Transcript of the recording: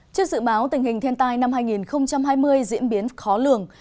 trước dự báo tình hình thiên tai năm hai nghìn hai mươi diễn biến khó lường